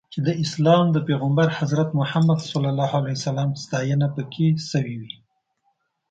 چې د اسلام د پیغمبر حضرت محمد ستاینه پکې شوې وي.